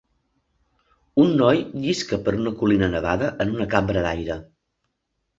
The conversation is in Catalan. Un noi llisca per una colina nevada en una cambra d'aire.